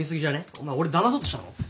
お前俺だまそうとしたの？